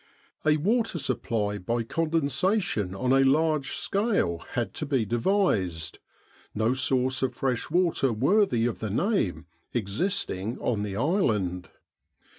A water supply by condensation on a large scale had to be devised, no source of fresh water worthy of the name existing on the island.